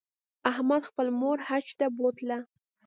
احمد خپله مور حج ته بوتله.